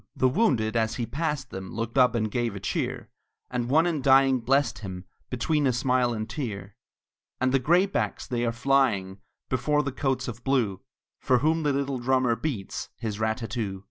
The wounded as he passed them Looked up and gave a cheer; And one in dying blessed him, Between a smile and tear. And the graybacks they are flying Before the coats of blue, For whom the little drummer beats His rat tat too.